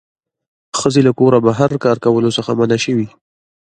ښځې له کوره بهر کار کولو څخه منع شوې